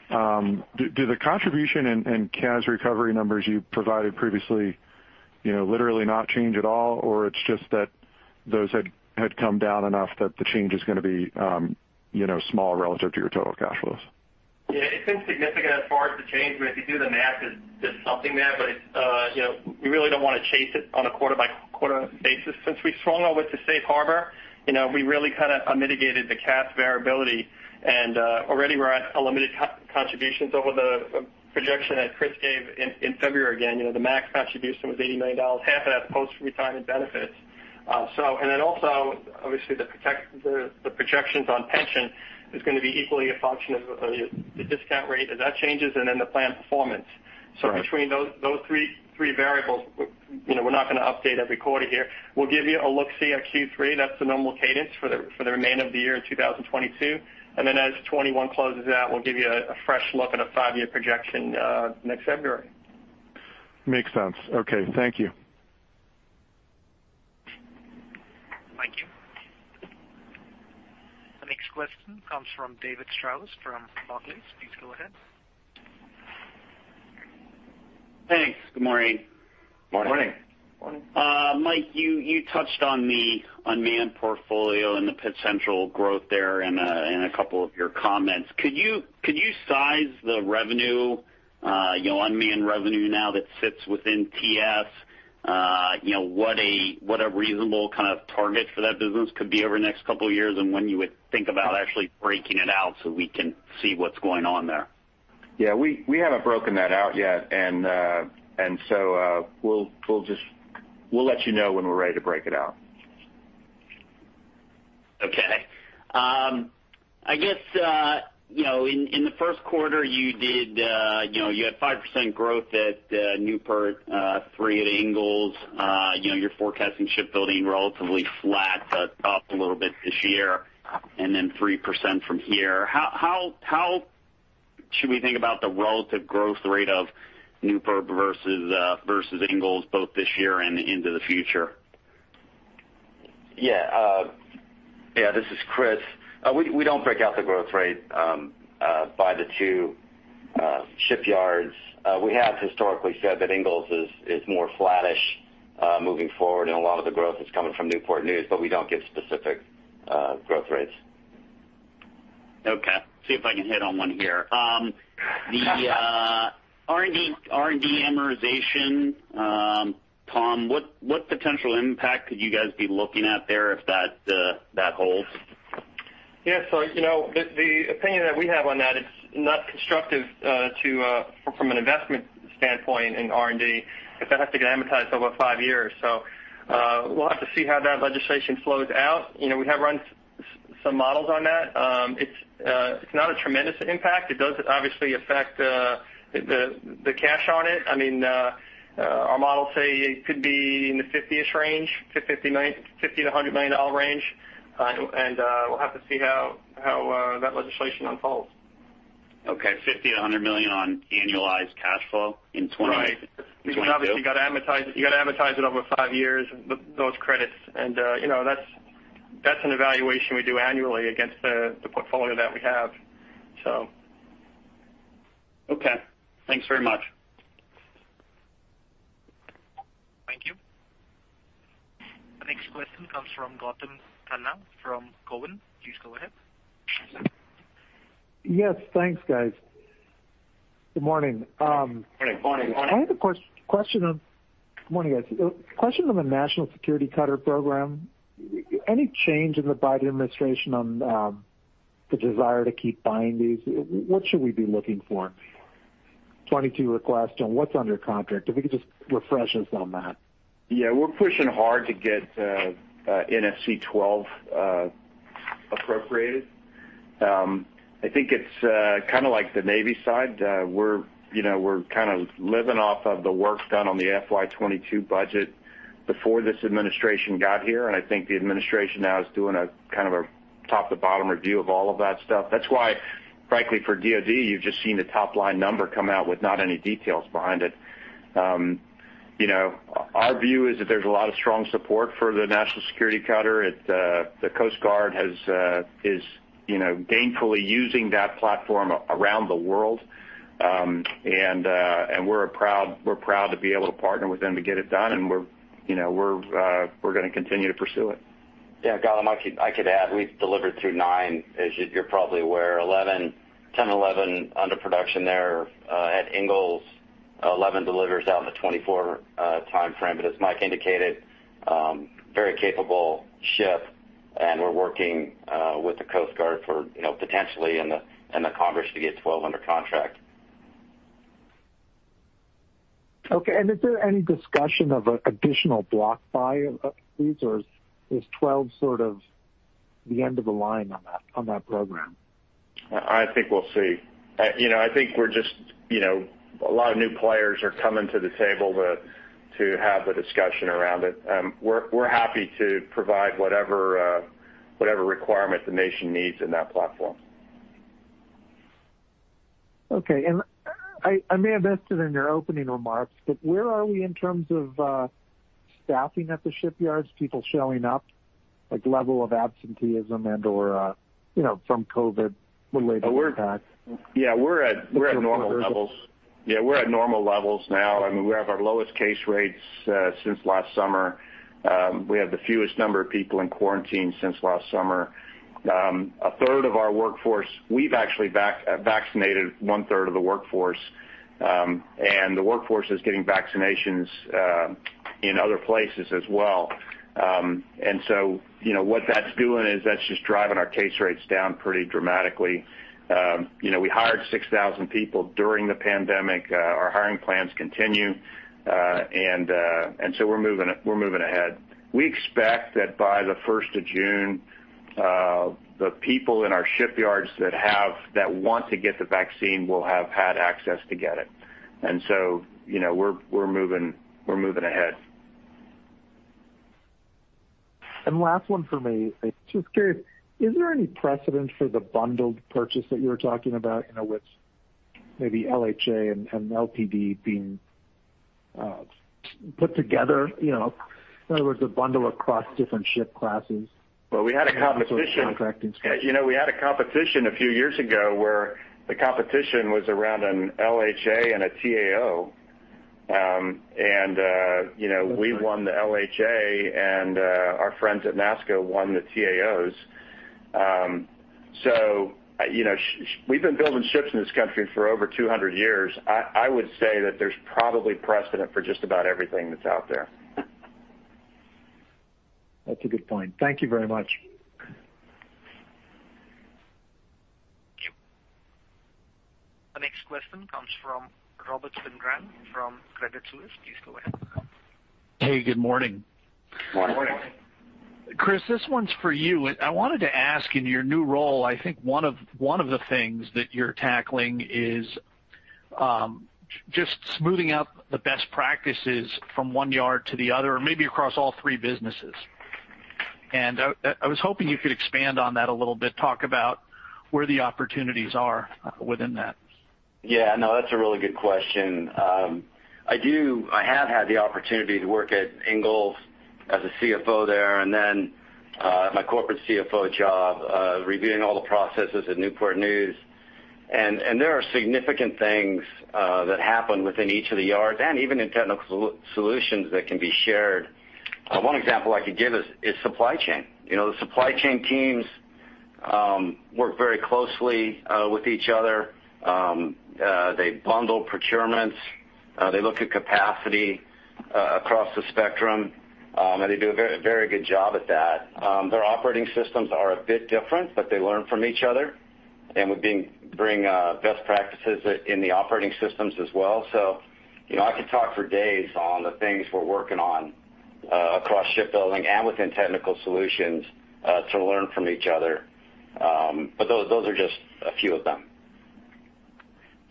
Do the contribution and cash recovery numbers you provided previously literally not change at all? Or it's just that those had come down enough that the change is going to be small relative to your total cash flows? Yeah, it's insignificant as far as the change. If you do the math, there's something there, we really don't want to chase it on a quarter-by-quarter basis. Since we swung over to Safe Harbor, we really kind of mitigated the cash variability, and already we're at eliminated contributions over the projection that Chris gave in February again. The max contribution was $80 million, half of that post-retirement benefits. Then also, obviously, the projections on pension is going to be equally a function of the discount rate as that changes and then the plan performance. Right. Between those three variables, we're not going to update every quarter here. We'll give you a look-see at Q3. That's the normal cadence for the remainder of the year in 2022. Then as 2021 closes out, we'll give you a fresh look at a five-year projection next February. Makes sense. Okay. Thank you. Thank you. The next question comes from David Strauss from Barclays. Please go ahead. Thanks. Good morning. Morning. Morning. Mike, you touched on the unmanned portfolio and the potential growth there in a couple of your comments. Could you size the unmanned revenue now that sits within TS? What a reasonable kind of target for that business could be over the next couple of years, and when you would think about actually breaking it out so we can see what's going on there? Yeah. We haven't broken that out yet. We'll let you know when we're ready to break it out. Okay. I guess, in the first quarter, you had 5% growth at Newport, 3% at Ingalls. You're forecasting shipbuilding relatively flat, but up a little bit this year, and then 3% from here. How should we think about the relative growth rate of Newport versus Ingalls, both this year and into the future? Yeah. This is Chris. We don't break out the growth rate by the two shipyards. We have historically said that Ingalls is more flattish, moving forward, and a lot of the growth is coming from Newport News, but we don't give specific growth rates. Okay. See if I can hit on one here. The R&D amortization, Tom, what potential impact could you guys be looking at there if that holds? Yeah. The opinion that we have on that, it's not constructive from an investment standpoint in R&D if that has to get amortized over five years. We'll have to see how that legislation flows out. We have run some models on that. It's not a tremendous impact. It does obviously affect the cash on it. Our models say it could be in the $50-ish range, $50 million-$100 million range. We'll have to see how that legislation unfolds. Okay. $50 million-$100 million on annualized cash flow in 2022? Right. Because obviously, you've got to amortize it over 5 years, those credits. That's an evaluation we do annually against the portfolio that we have, so. Okay. Thanks very much. Thank you. The next question comes from Gautam Khanna from Cowen. Please go ahead. Yes. Thanks, guys. Good morning. Morning. Morning. Good morning, guys. Question on the National Security Cutter program. Any change in the Biden administration on the desire to keep buying these? What should we be looking for? 22 requests, and what's under contract? If you could just refresh us on that. Yeah. We're pushing hard to get NSC 12 appropriated. I think it's kind of like the Navy side. We're kind of living off of the work done on the FY 2022 budget before this administration got here, I think the administration now is doing a kind of a top to bottom review of all of that stuff. That's why, frankly, for DOD, you've just seen the top-line number come out with not any details behind it. Our view is that there's a lot of strong support for the National Security Cutter. The Coast Guard is gainfully using that platform around the world. We're proud to be able to partner with them to get it done, and we're going to continue to pursue it. Yeah. Gautam, I could add. We've delivered through nine, as you're probably aware. 10, 11 under production there at Ingalls. 11 delivers out in the 2024 timeframe. As Mike indicated, very capable ship and we're working with the Coast Guard for potentially in the Congress to get 12 under contract. Okay. Is there any discussion of an additional block buy of these, or is 12 sort of the end of the line on that program? I think we'll see. A lot of new players are coming to the table to have the discussion around it. We're happy to provide whatever requirement the nation needs in that platform. Okay. I may have missed it in your opening remarks, but where are we in terms of staffing at the shipyards, people showing up, like level of absenteeism and/or some COVID related impact? Yeah, we're at normal levels now. We have our lowest case rates since last summer. We have the fewest number of people in quarantine since last summer. A third of our workforce, we've actually vaccinated one-third of the workforce. The workforce is getting vaccinations in other places as well. What that's doing is that's just driving our case rates down pretty dramatically. We hired 6,000 people during the pandemic. Our hiring plans continue. We're moving ahead. We expect that by the 1st of June, the people in our shipyards that want to get the vaccine will have had access to get it. We're moving ahead. Last one from me. I was just curious, is there any precedent for the bundled purchase that you were talking about, with maybe LHA and LPD being put together? In other words, a bundle across different ship classes. Well, we had a competition. contracting schedule. We had a competition a few years ago where the competition was around an LHA and a T-AO. We won the LHA, and our friends at NASSCO won the T-AOs. We've been building ships in this country for over 200 years. I would say that there's probably precedent for just about everything that's out there. That's a good point. Thank you very much. Thank you. The next question comes from Robert Spingarn from Credit Suisse. Please go ahead. Hey, good morning. Morning. Morning. Chris, this one's for you. I wanted to ask, in your new role, I think one of the things that you're tackling is just smoothing out the best practices from one yard to the other, or maybe across all three businesses. I was hoping you could expand on that a little bit, talk about where the opportunities are within that. Yeah, no, that's a really good question. I have had the opportunity to work at Ingalls as a CFO there, and then my corporate CFO job, reviewing all the processes at Newport News. There are significant things that happen within each of the yards, and even in Technical Solutions that can be shared. One example I could give is supply chain. The supply chain teams work very closely with each other. They bundle procurements. They look at capacity across the spectrum. They do a very good job at that. Their operating systems are a bit different, they learn from each other, and we bring best practices in the operating systems as well. I could talk for days on the things we're working on across shipbuilding and within Technical Solutions to learn from each other. Those are just a few of them.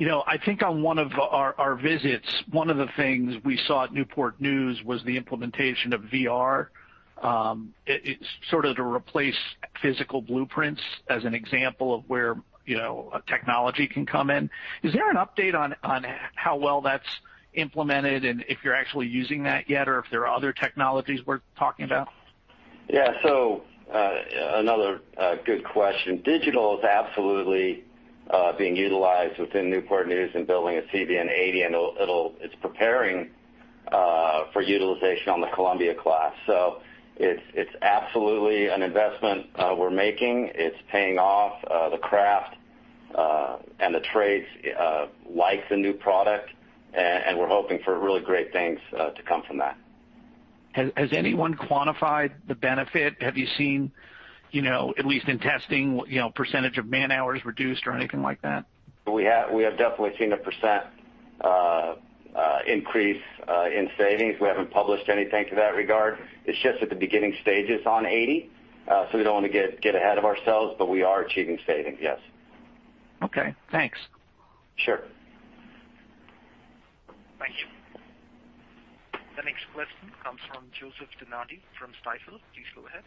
I think on one of our visits, one of the things we saw at Newport News was the implementation of VR. It's sort of to replace physical blueprints as an example of where technology can come in. Is there an update on how well that's implemented and if you're actually using that yet, or if there are other technologies worth talking about? Another good question. Digital is absolutely being utilized within Newport News in building a CVN 80, and it's preparing for utilization on the Columbia-class. It's absolutely an investment we're making. It's paying off. The craft and the trades like the new product, and we're hoping for really great things to come from that. Has anyone quantified the benefit? Have you seen, at least in testing, percentage of man-hours reduced or anything like that? We have definitely seen a percentage increase in savings. We haven't published anything to that regard. It's just at the beginning stages on 80, so we don't want to get ahead of ourselves, but we are achieving savings, yes. Okay, thanks. Sure. Thank you. The next question comes from Joe DeNardi from Stifel. Please go ahead.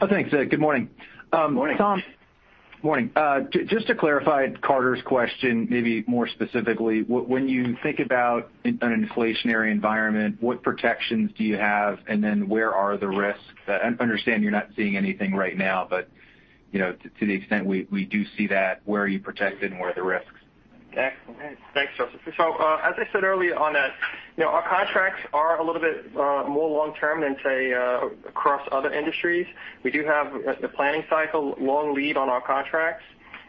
Oh, thanks. Good morning. Morning. Tom. Morning. Just to clarify Carter's question maybe more specifically, when you think about an inflationary environment, what protections do you have, and then where are the risks? I understand you're not seeing anything right now, but to the extent we do see that, where are you protected and where are the risks? Excellent. Thanks, Joe. As I said early on that our contracts are a little bit more long-term than, say, across other industries. We do have the planning cycle long lead on our contracts.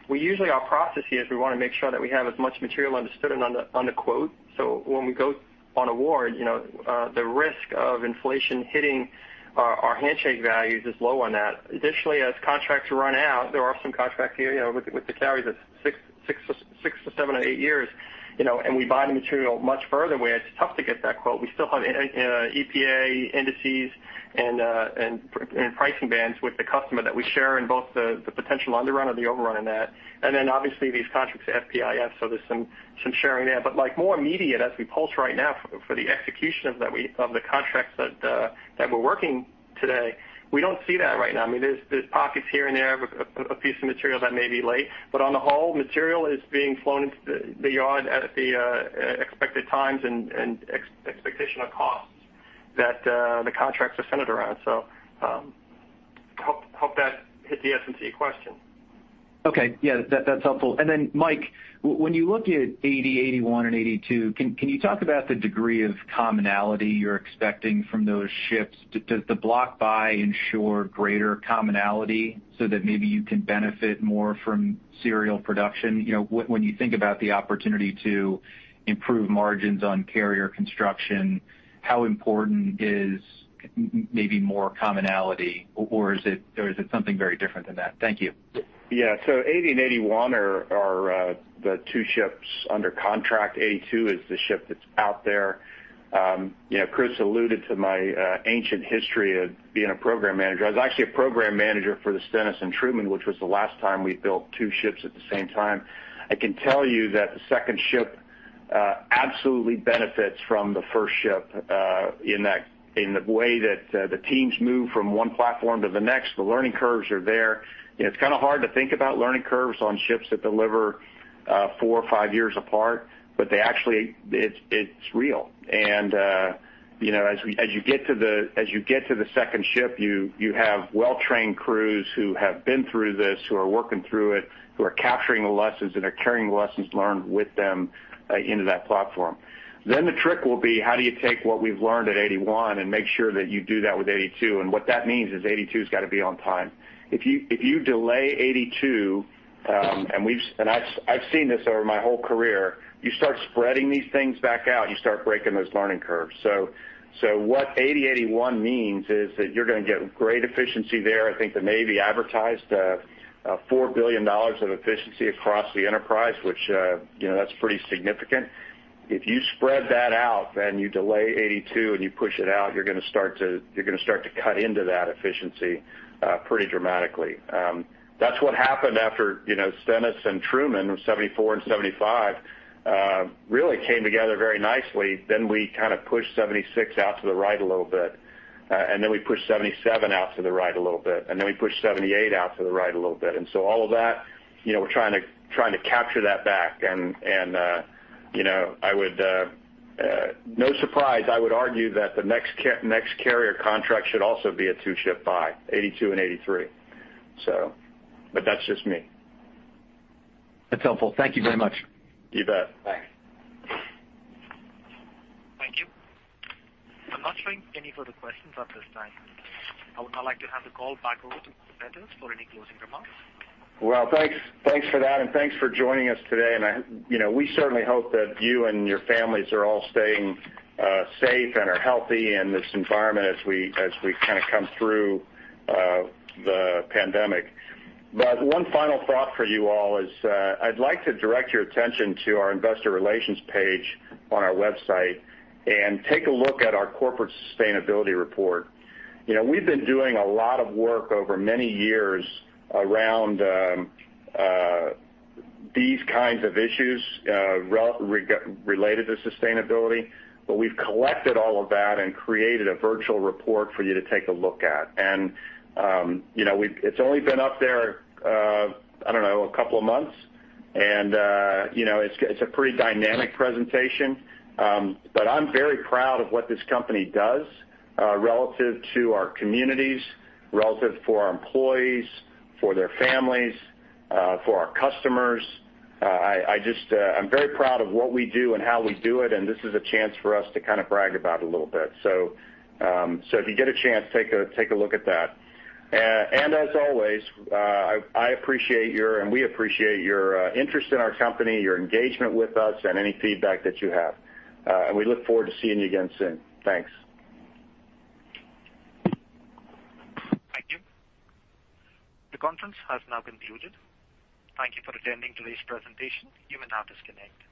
Usually our process here is we want to make sure that we have as much material understood and on the quote, so when we go on award, the risk of inflation hitting our handshake values is low on that. Additionally, as contracts run out, there are some contracts here with the carriers of six to seven or eight years, and we buy the material much further where it's tough to get that quote. We still have EPA indices and pricing bands with the customer that we share in both the potential underrun or the overrun in that. Obviously these contracts are FPIF, there's some sharing there. More immediate as we pulse right now for the execution of the contracts that we're working today, we don't see that right now. There's pockets here and there of a piece of material that may be late, but on the whole, material is being flown into the yard at the expected times and expectation of costs that the contracts are centered around. Hope that hit the S&C question. Okay. Yeah, that's helpful. Then Mike, when you look at 80, 81, and 82, can you talk about the degree of commonality you're expecting from those ships? Does the block buy ensure greater commonality so that maybe you can benefit more from serial production? When you think about the opportunity to improve margins on carrier construction, how important is maybe more commonality, or is it something very different than that? Thank you. 80 and 81 are the two ships under contract. 82 is the ship that's out there. Chris alluded to my ancient history of being a program manager. I was actually a program manager for the Stennis and Truman, which was the last time we built two ships at the same time. I can tell you that the second ship absolutely benefits from the first ship in the way that the teams move from one platform to the next. The learning curves are there. It's kind of hard to think about learning curves on ships that deliver four or five years apart, but they actually, it's real. As you get to the second ship, you have well-trained crews who have been through this, who are working through it, who are capturing the lessons and are carrying the lessons learned with them into that platform. The trick will be how do you take what we've learned at 81 and make sure that you do that with 82? What that means is 82's got to be on time. If you delay 82, and I've seen this over my whole career, you start spreading these things back out, you start breaking those learning curves. What 80, 81 means is that you're going to get great efficiency there. I think the Navy advertised $4 billion of efficiency across the enterprise, which that's pretty significant. If you spread that out and you delay 82 and you push it out, you're going to start to cut into that efficiency pretty dramatically. That's what happened after Stennis and Truman were 74 and 75 really came together very nicely. We kind of pushed 76 out to the right a little bit, and then we pushed 77 out to the right a little bit, and then we pushed 78 out to the right a little bit. All of that, we're trying to capture that back and no surprise, I would argue that the next carrier contract should also be a two-ship buy, 82 and 83. That's just me. That's helpful. Thank you very much. You bet. Thanks. Thank you. I'm not showing any further questions at this time. I would now like to hand the call back over to the presenters for any closing remarks. Thanks for that and thanks for joining us today. We certainly hope that you and your families are all staying safe and are healthy in this environment as we kind of come through the pandemic. One final thought for you all is, I'd like to direct your attention to our investor relations page on our website and take a look at our corporate sustainability report. We've been doing a lot of work over many years around these kinds of issues related to sustainability. We've collected all of that and created a virtual report for you to take a look at. It's only been up there, I don't know, a couple of months. It's a pretty dynamic presentation. I'm very proud of what this company does relative to our communities, relative for our employees, for their families, for our customers. I'm very proud of what we do and how we do it, and this is a chance for us to kind of brag about a little bit. If you get a chance, take a look at that. As always, we appreciate your interest in our company, your engagement with us, and any feedback that you have. We look forward to seeing you again soon. Thanks. Thank you. The conference has now concluded. Thank you for attending today's presentation. You may now disconnect.